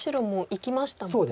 生きましたもんね。